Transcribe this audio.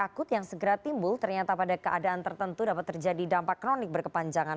takut yang segera timbul ternyata pada keadaan tertentu dapat terjadi dampak kronik berkepanjangan